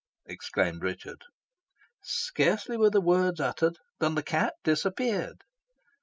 exclaimed Richard. Scarcely were the words uttered, than the cat disappeared.